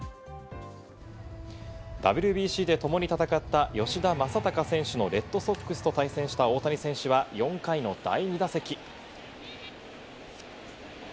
ＷＢＣでともに戦った吉田正尚選手のレッドソックスと対戦した大谷選手は、４回の第２打席。